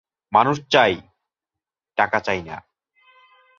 মানুষ চাই, টাকা চাই না।